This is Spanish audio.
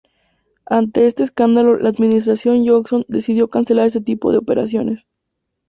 Ante este escándalo, la administración Johnson decidió cancelar este tipo de operaciones.